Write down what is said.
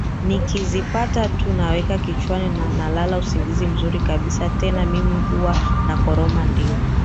Nikizipata tu naweka kichwani na nalala usingizi mzuri kabisa Tena mimi huwa nakoroma Ndio